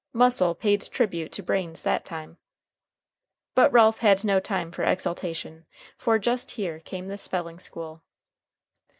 Muscle paid tribute to brains that time. But Ralph had no time for exultation; for just here came the spelling school.